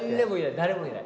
誰もいない。